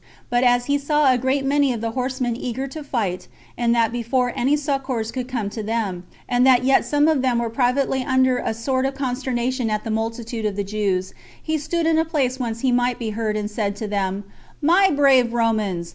But as he saw a great many of the horsemen eager to fight, and that before any succors could come to them, and that yet some of them were privately under a sort of consternation at the multitude of the Jews, he stood in a place whence he might be heard, and said to them, "My brave Romans!